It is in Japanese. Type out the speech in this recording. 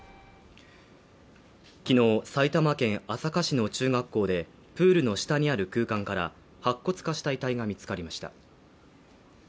昨日、埼玉県朝霞市の中学校で、プールの下にある空間から白骨化した遺体が見つかりました。